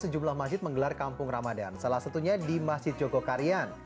sejumlah masjid menggelar kampung ramadan salah satunya di masjid jogokarian